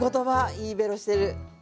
いいベロしてる。